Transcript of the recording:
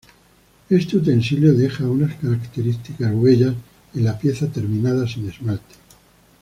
Este utensilio deja unas características huellas en la pieza terminada sin esmalte.